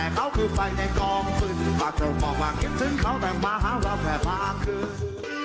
เก็บถึงเขาแต่มหารับแผ่พาคืน